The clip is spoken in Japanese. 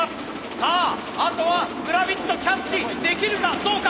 さああとはグラビットキャッチできるかどうか！